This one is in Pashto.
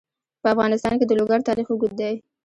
په افغانستان کې د لوگر تاریخ اوږد دی.